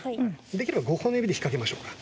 できれば５本の指で引っ掛けましょうか。